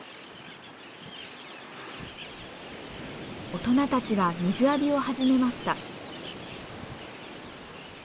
大人たちが水浴びを始めました。